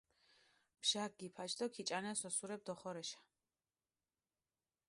ბჟაქ გიფაჩ დო ქიჭანეს ოსურეფი დოხორეშა.